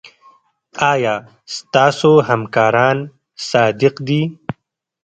ایا ستاسو همکاران صادق دي؟